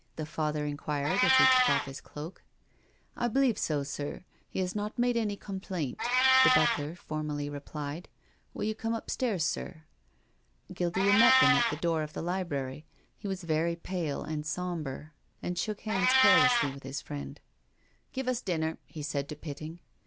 the Father inquired as he took off his cloak. " I believe so, sir. He has not made any com plaint," the butler formally replied. "Will you come upstairs, sir?" Guildea met them at the door of the library. He was very pale and sombre, and shook hands carelessly with his friend. " Give us dinner," he said to Pitting.